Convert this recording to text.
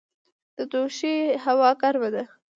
د دوشي هوا ګرمه ده